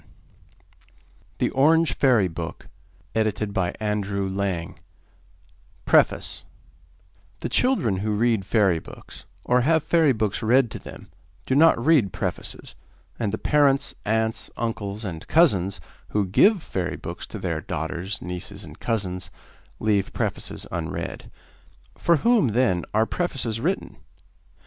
com The Orange Fairy Book Edited by Andrew Lang Preface The children who read fairy books, or have fairy books read to them, do not read prefaces, and the parents, aunts, uncles, and cousins, who give fairy books to their daughters, nieces, and cousines, leave prefaces unread. For whom, then, are prefaces written?